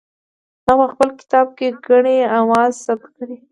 هغه په خپل کتاب کې ګڼې اوازې ثبت کړې دي.